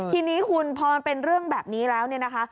ทีนี้คุณพอมันเป็นเรื่องแบบนี้แล้วเนี่ยนะคะ